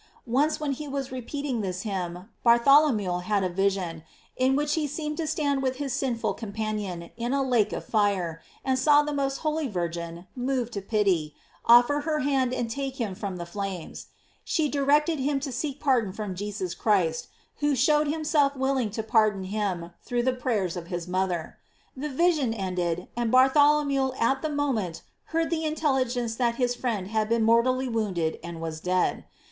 Once when he was repeating this hymn » 8. Gregor. Dial. 1. 1, c. 9. t An. Soc, 1656, ap. Aur. to. 2, e. & GLORIES OP MART. Bartholomew had a vision, in which he seemed to stand with his sinful companion in a lake of fire, and saw the most holy Virgin, moved to pity, offer her hand and take him from the flames. She directed him to seek pardon from Jesus Christ, who showed himself willing to par don him through the prayers of his mother. The vision ended, and Bartholomew at the mo ment heard the intelligence that his friend had been mortally wounded and was dead.